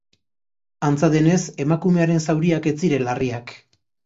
Antza denez, emakumearen zauriak ez ziren larriak.